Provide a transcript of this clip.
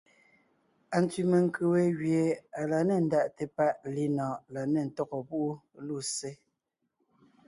Antsẅì menkʉ̀ we gẅie à la nê ndaʼte páʼ linɔ̀ɔn la nê ntɔ́gɔ púʼu lussé.